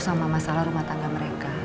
sama masalah rumah tangga mereka